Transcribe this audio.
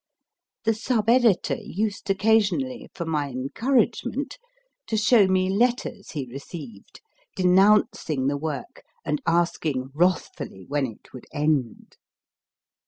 The sub editor used occasionally, for my encouragement, to show me letters he received, denouncing the work, and asking wrathfully when it would end.